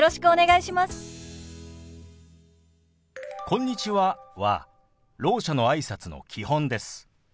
「こんにちは」はろう者のあいさつの基本です。